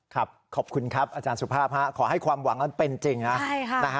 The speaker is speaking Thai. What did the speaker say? ครับขอบคุณครับอาจารย์สุภาพขอให้ความหวังนั้นเป็นจริงนะ